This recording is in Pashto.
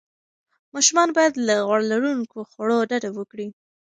ماشومان باید له غوړ لروونکو خوړو ډډه وکړي.